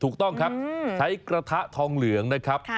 ถูกต้องครับใช้กระทะทองเหลืองนะครับ